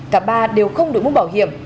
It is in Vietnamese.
cả ba đều không được mua bảo hiểm